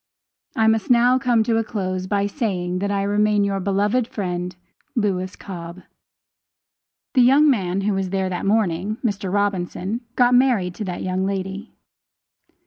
I must now come to a close by saying that I remain your beloved friend, LEWIS COBB. The young man who was there that morning, Mr. Robinson, got married to that young lady.